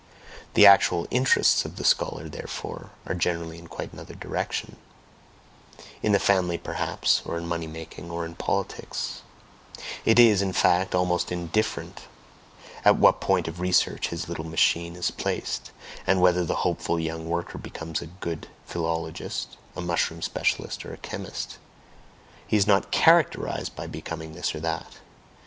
The actual "interests" of the scholar, therefore, are generally in quite another direction in the family, perhaps, or in money making, or in politics; it is, in fact, almost indifferent at what point of research his little machine is placed, and whether the hopeful young worker becomes a good philologist, a mushroom specialist, or a chemist; he is not CHARACTERISED by becoming this or that.